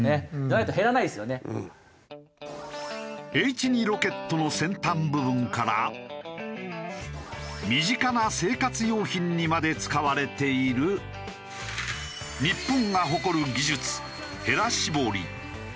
Ｈ２ロケットの先端部分から身近な生活用品にまで使われている日本が誇る技術へら絞り。